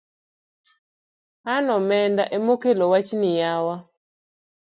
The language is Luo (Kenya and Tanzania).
An omenda emokelo wachni yawa